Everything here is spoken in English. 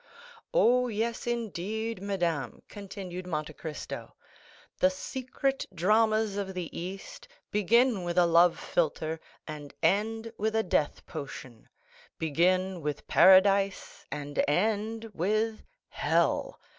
"Oh, yes, indeed, madame," continued Monte Cristo, "the secret dramas of the East begin with a love philtre and end with a death potion—begin with paradise and end with—hell.